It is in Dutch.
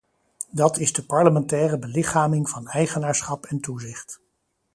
Dat is de parlementaire belichaming van eigenaarschap en toezicht.